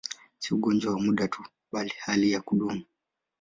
Si ugonjwa wa muda tu, bali hali ya kudumu.